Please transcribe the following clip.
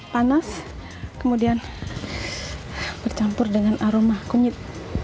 panas kemudian bercampur dengan aroma kunyit